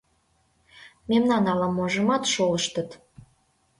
— Мемнан ала-можымат шолыштыт...